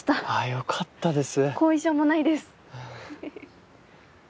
よかったです。